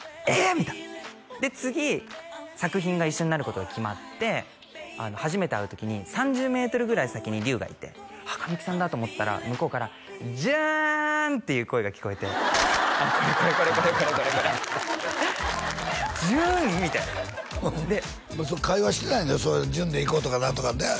みたいなで次作品が一緒になることが決まって初めて会う時に３０メートルぐらい先に隆がいてあっ神木さんだと思ったら向こうから「淳！」っていう声が聞こえてああこれこれこれこれこれこれこれ「淳！？」みたいなで会話してない淳でいこうとかなんとかなあ？